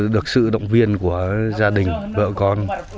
được sự động viên của gia đình vợ con